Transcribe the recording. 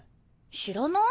知らない？